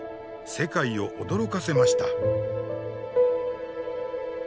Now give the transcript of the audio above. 世界を驚かせました。